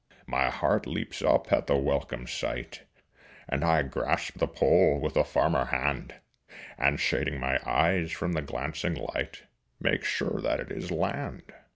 My heart leaps up at the welcome sight, And I grasp the pole with a firmer hand, And shading my eyes from the glancing light Make sure that it is land.